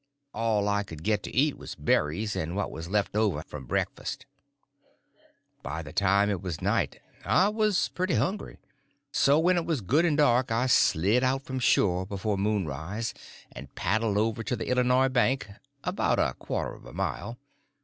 All I could get to eat was berries and what was left over from breakfast. By the time it was night I was pretty hungry. So when it was good and dark I slid out from shore before moonrise and paddled over to the Illinois bank—about a quarter of a mile.